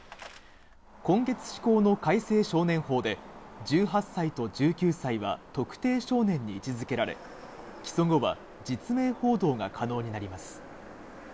今月施行の改正少年法で１８歳と１９歳は特定少年に位置付けられ、起訴後は実名報道が可能になります。